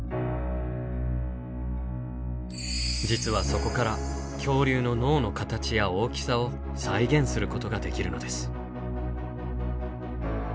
実はそこから恐竜の脳の形や大きさを再現することができるのです。